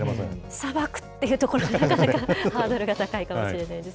さばくっていうところがなかなか、ハードルが高いかもしれないです。